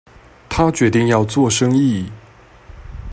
他決定要做生意